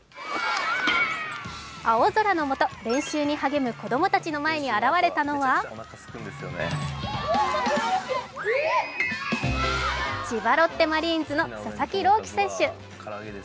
青空のもと、練習に励む子供たちの前に現れたのは千葉ロッテマリーンズの佐々木朗希投手。